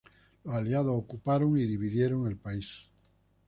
Los aliados ocuparon y dividieron el país.